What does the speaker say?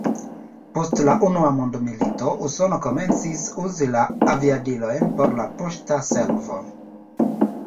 Post la Unua mondmilito Usono komencis uzi la aviadilojn por la poŝta servo.